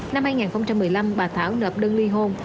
năm hai nghìn một mươi năm bà thảo nộp đơn ly hôn